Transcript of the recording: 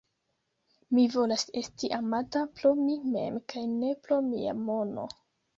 Mi volas esti amata pro mi mem kaj ne pro mia mono!